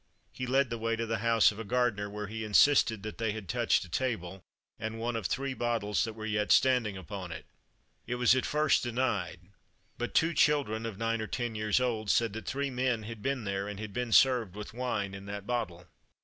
He led the way to the house of a gardener, where he insisted that they had touched a table and one of three bottles that were yet standing upon it. It was at first denied; but two children, of nine or ten years old, said that three men had been there, and had been served with wine in that bottle.